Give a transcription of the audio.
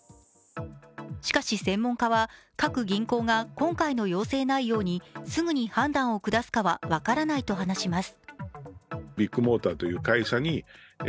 しかし、専門家は各銀行が今回の要請内容にすぐに判断を下すかは分からないと話します。